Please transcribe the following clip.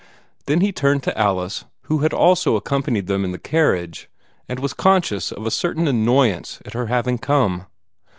Then he turned to Alice, who had also accompanied them in the carriage, and was conscious of a certain annoyance at her having come.